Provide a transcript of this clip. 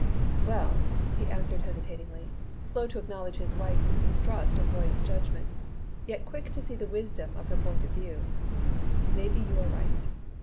"Well," he answered hesitatingly, slow to acknowledge his wife's distrust of Lloyd's judgment, yet quick to see the wisdom of her point of view. "Maybe you are right.